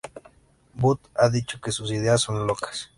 Boot ha dicho que sus ideas son "locas".